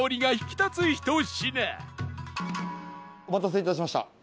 お待たせ致しました。